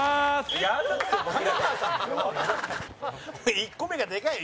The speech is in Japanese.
１個目がでかいよ